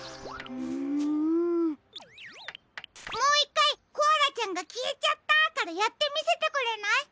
うんもういっかい「コアラちゃんがきえちゃった」からやってみせてくれない？